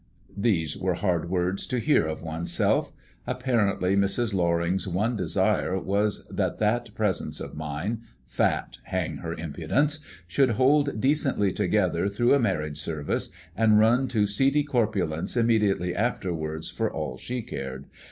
These were hard words to hear of one's self. Apparently Mrs. Loring's one desire was that that presence of mine fat, hang her impudence! should hold decently together through a marriage service, and run to seedy corpulence immediately afterwards for all she cared.